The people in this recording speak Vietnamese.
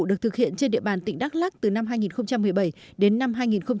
được thực hiện trên địa bàn tỉnh đắk lắc từ năm hai nghìn một mươi bảy đến năm hai nghìn một mươi tám